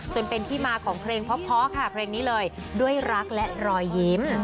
จนเป็นที่มาของเพลงเพราะค่ะเพลงนี้เลยด้วยรักและรอยยิ้ม